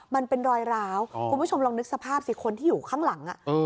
มันเป็นรอยร้าวคุณผู้ชมลองนึกสภาพสิคนที่อยู่ข้างหลัง